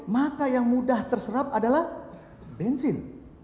maka yang mudah terserap adalah bensin